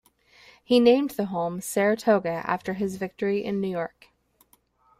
He named the home Saratoga after his victory in New York.